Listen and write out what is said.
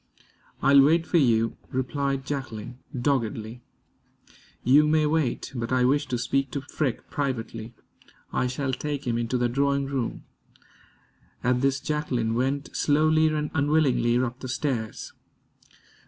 "I'll wait for you," replied Jacqueline, doggedly. "You may wait, but I wish to speak to Freke privately. I shall take him into the drawing room." At this, Jacqueline went slowly and unwillingly up the stairs.